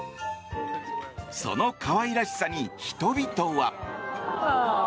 その可愛らしさに人々は。